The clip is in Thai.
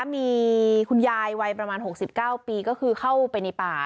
มีคุณยายวัยประมาณ๖๙ปีก็คือเข้าไปในป่า